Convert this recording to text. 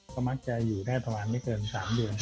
ก็มักจะอยู่ได้ประมาณไม่เกิน๓เดือน